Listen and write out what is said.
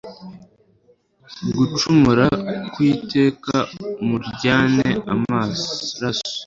gucumura ku Uwiteka muryanye amaraso